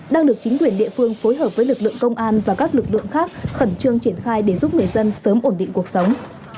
đang được chính quyền địa phương phối hợp với lực lượng công an và các lực lượng khác khẩn trương triển khai để giúp người dân sớm ổn định cuộc sống